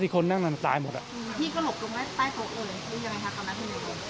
พี่ก็หลบลงไปใต้โต๊ะอื่นหรือยังไงค่ะกับนักธุรกิจ